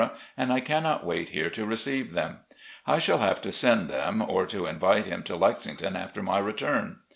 and I cannot wait here to receive them. I shall have to send them, or to invite him to Lexington after my return.